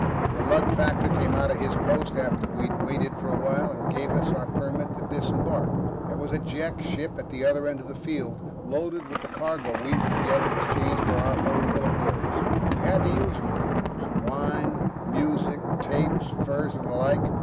The Lud factor came out of his post after we'd waited for a while, and gave us our permit to disembark. There was a Jek ship at the other end of the field, loaded with the cargo we would get in exchange for our holdful of goods. We had the usual things; wine, music tapes, furs, and the like.